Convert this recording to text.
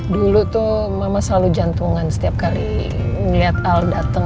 dulu tuh mama selalu jantungan setiap kali ngeliat al datang